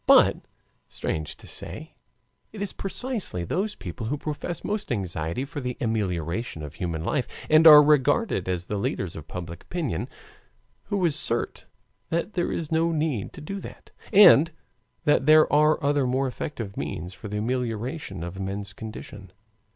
But, strange to say, it is precisely those people who profess most anxiety for the amelioration of human life, and are regarded as the leaders of public opinion, who assert that there is no need to do that, and that there are other more effective means for the amelioration of men's condition.